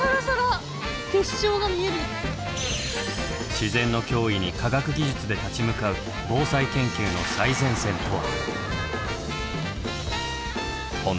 自然の脅威に科学技術で立ち向かう防災研究の最前線とは？